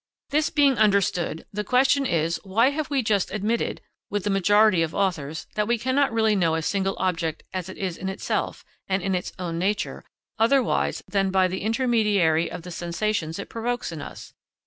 This being understood, the question is, why we have just admitted with the majority of authors that we cannot really know a single object as it is in itself, and in its own nature, otherwise than by the intermediary of the sensations it provokes in us?